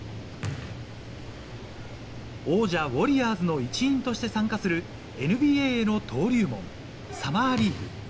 王者・ウォリアーズの一員として参加するＮＢＡの登竜門・サマーリーグ。